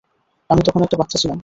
আমি তখন একটা বাচ্চা ছিলাম।